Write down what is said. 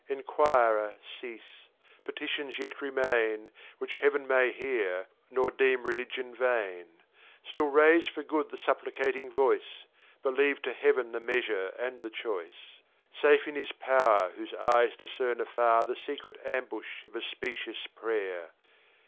Enquirer, cease, Petitions yet remain, Which Heav'n may hear, nor deem Religion vain. Still raise for Good the supplicating Voice, But leave to Heav'n the Measure and the Choice. Safe in his Pow'r, whose Eyes discern afar The secret Ambush of a specious Pray'r.